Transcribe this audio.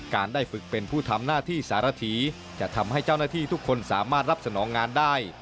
ได้ฝึกเป็นผู้ทำหน้าที่สารถีจะทำให้เจ้าหน้าที่ทุกคนสามารถรับสนองงานได้